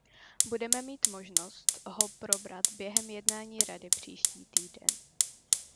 Budeme mít možnost ho probrat během jednání Rady příští týden.